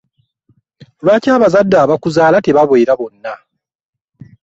Lwaki abazade abakuzaala tebabeera bonna?